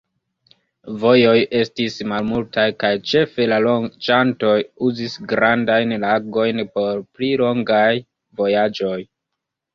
Vojoj estis malmultaj kaj ĉefe la loĝantoj uzis grandajn lagojn por pli longaj vojaĝoj.